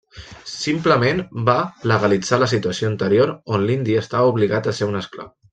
Simplement va legalitzar la situació anterior, on l'indi estava obligat a ser un esclau.